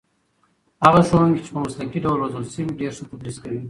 هغه ښوونکي چې په مسلکي ډول روزل شوي ډېر ښه تدریس کوي.